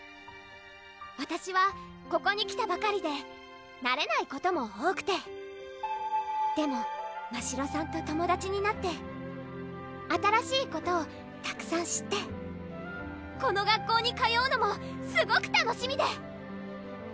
わたしはここに来たばかりでなれないことも多くてでもましろさんと友達になって新しいことをたくさん知ってこの学校に通うのもすごく楽しみで！